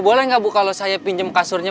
boleh nggak bu kalau saya pinjam kasurnya